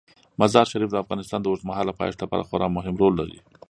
مزارشریف د افغانستان د اوږدمهاله پایښت لپاره خورا مهم رول لري.